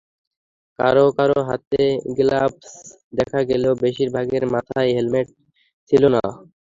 কারও কারও হাতে গ্লাভস দেখা গেলেও বেশির ভাগেরই মাথায় হেলমেট ছিল না।